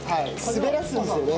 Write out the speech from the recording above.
滑らすんですよね。